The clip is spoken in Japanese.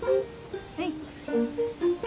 はい。